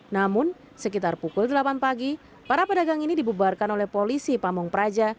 namun sekitar pukul delapan pagi para pedagang ini dibubarkan oleh polisi pamung praja